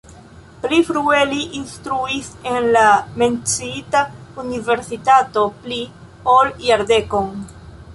Pli frue li instruis en la menciita universitato pli, ol jardekon.